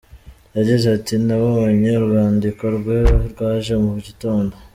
Yagize ati "Nabonye urwandiko rwe rwaje mu gitondo .